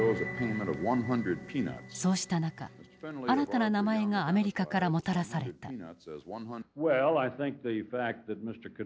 そうした中新たな名前がアメリカからもたらされた。